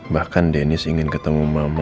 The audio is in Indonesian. bahkan deniz ingin ketemu mama